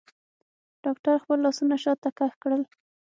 ډاکتر خپل لاسونه شاته کښ کړل.